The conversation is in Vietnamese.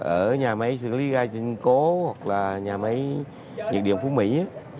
ở nhà máy sư lý gai trinh cố hoặc là nhà máy nhật điện phú mỹ